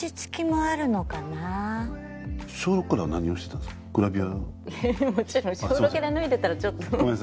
もちろん小６で脱いでたらちょっと。